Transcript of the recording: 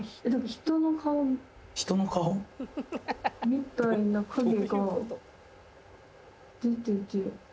みたいな影が出てて。